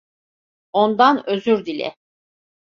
Ondan özür dile.